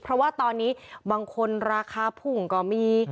เพราะว่าตอนนี้บางคนราคาพุ่งก็มี